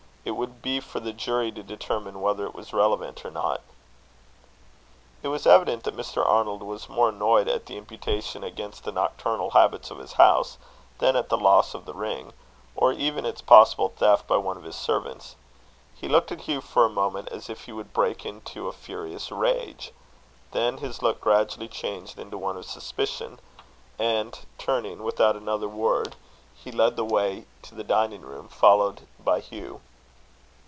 It would be for the jury to determine whether it was relevant or not." It was evident that Mr. Arnold was more annoyed at the imputation against the nocturnal habits of his house, than at the loss of the ring, or even its possible theft by one of his servants. He looked at Hugh for a moment as if he would break into a furious rage; then his look gradually changed into one of suspicion, and, turning without another word, he led the way to the dining room, followed by Hugh.